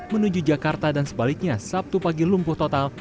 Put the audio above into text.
menuju jakarta dan sebaliknya sabtu pagi lumpuh total